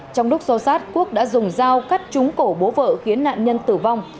trong đúc so sát quốc đã dùng dao cắt trúng cổ bố vợ khiến nạn nhân tử vong